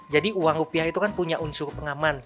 jadi uang rupiah itu kan punya unsur pengaman